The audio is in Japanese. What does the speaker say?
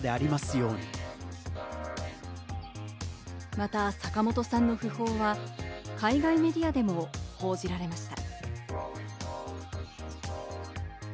また坂本さんの訃報は海外メディアでも報じられました。